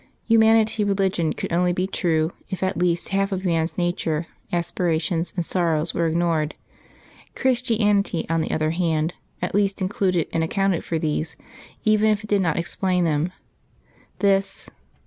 Humanity Religion could only be true if at least half of man's nature, aspirations and sorrows were ignored. Christianity, on the other hand, at least included and accounted for these, even if it did not explain them. This